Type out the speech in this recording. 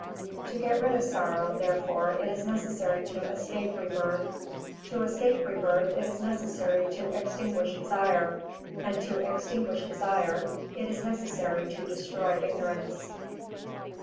To get rid of sorrow, therefore, it is necessary to escape rebirth; to escape rebirth, it is necessary to extinguish desire; and to extinguish desire, it is necessary to destroy ignorance.